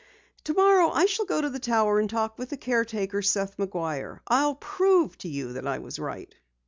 "Tomorrow I shall go to the tower and talk with the caretaker, Seth McGuire. I'll prove to you that I was right!"